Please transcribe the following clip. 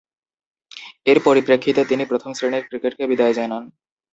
এর পরিপ্রেক্ষিতে তিনি প্রথম-শ্রেণীর ক্রিকেটকে বিদায় জানান।